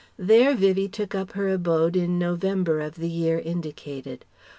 There Vivie took up her abode in November of the year indicated.